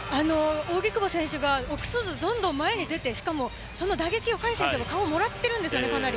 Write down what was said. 扇久保選手が臆さずどんどん前に出てしかも、その打撃を海選手ももらっているんですね、かなり。